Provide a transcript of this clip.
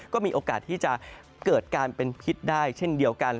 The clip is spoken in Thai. ก็มีโอกาสที่จะเกิดการเป็นพิษได้เช่นเดียวกัน